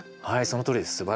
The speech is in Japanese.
はいそのとおりです。